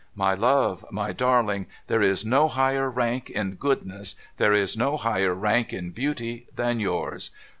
My love, my darling, there is no higher rank in goodness, there is no higher rank in beauty, than yours